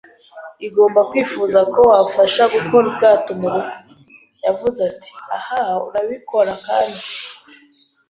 igomba kwifuza ko wafasha gukora ubwato murugo. ” Yavuze ati: “Ah, urabikora.” Kandi